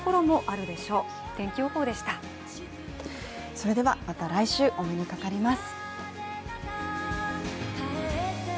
それではまた来週、お目にかかります。